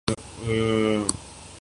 حقیقت بیان نہ کر سکے۔